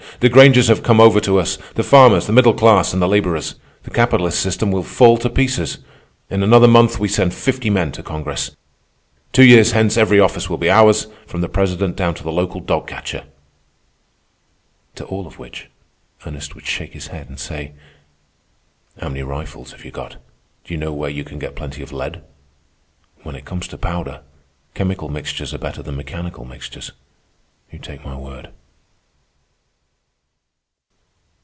"The Grangers have come over to us, the farmers, the middle class, and the laborers. The capitalist system will fall to pieces. In another month we send fifty men to Congress. Two years hence every office will be ours, from the President down to the local dog catcher." To all of which Ernest would shake his head and say: "How many rifles have you got? Do you know where you can get plenty of lead? When it comes to powder, chemical mixtures are better than mechanical mixtures, you take my word."